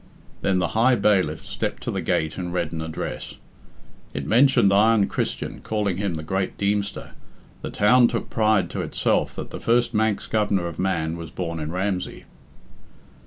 Then the High Bailiff stepped to the gate and read an address. It mentioned Iron Christian, calling him "The Great Deemster"; the town took pride to itself that the first Manx Governor of Man was born in Ramsey.